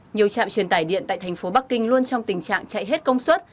nhiều trạm truyền tải điện tại thành phố bắc kinh luôn trong tình trạng chạy hết công suất